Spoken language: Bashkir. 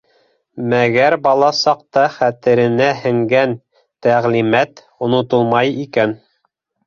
Мәгәр бала саҡта хәтеренә һеңгән тәғлимәт онотолмай икән.